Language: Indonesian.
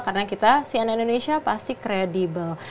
karena kita si anak indonesia pasti credible